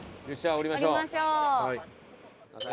降りましょう。